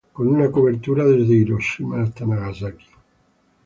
Con una cobertura desde Hiroshima hasta Nagasaki.